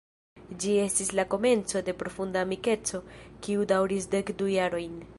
Ĝi estis la komenco de profunda amikeco kiu daŭris dek du jarojn.